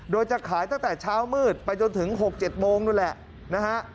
โดยจะขายตั้งแต่เช้ามืดไปจนถึง๖๗โมงนู่นแหละนะฮะ